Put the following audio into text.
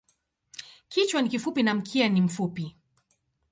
Kichwa ni kifupi na mkia ni mfupi.